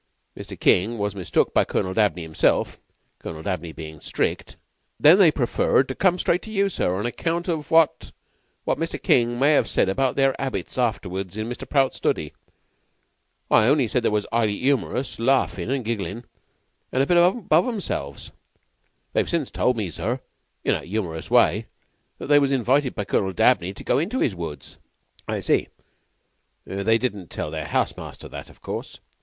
Mr. King was mistook by Colonel Dabney himself Colonel Dabney bein' strict. Then they preferred to come straight to you, sir, on account of what what Mr. King may 'ave said about their 'abits afterwards in Mr. Prout's study. I only said they was 'ighly humorous, laughin' an' gigglin', an' a bit above 'emselves. They've since told me, sir, in a humorous way, that they was invited by Colonel Dabney to go into 'is woods." "I see. They didn't tell their house master that, of course?"